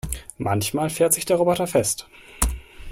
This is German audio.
Manchmal fährt sich der Roboter fest.